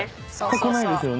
箱ないですよね。